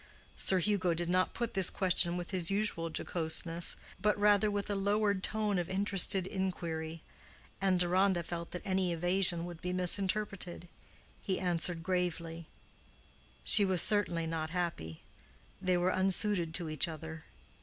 Sir Hugo did not put this question with his usual jocoseness, but rather with a lowered tone of interested inquiry; and Deronda felt that any evasion would be misinterpreted. He answered gravely, "She was certainly not happy. They were unsuited to each other.